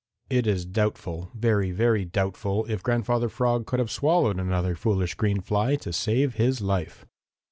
It is doubtful, very, very doubtful if Grandfather Frog could have swallowed another foolish green fly to save his life.